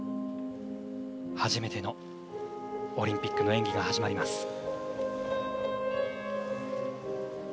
初めてのオリンピックの演技が始まります。